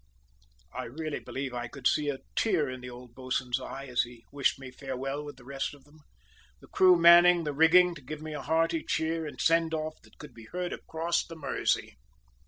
I really believe I could see a tear in the old bo'sun's eye as he wished me farewell with the rest of them, the crew manning the rigging to give me a hearty cheer and "send off" that could be heard across the Mersey.